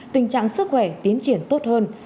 tình trạng sức khỏe tiến triển tốt hơn